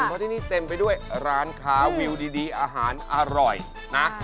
เพราะที่นี่เต็มไปด้วยร้านค้าวิวดีอาหารอร่อยนะ